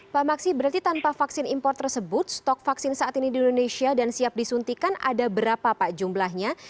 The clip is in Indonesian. pak maksi berarti tanpa vaksin impor tersebut stok vaksin saat ini di indonesia dan siap disuntikan ada berapa pak jumlahnya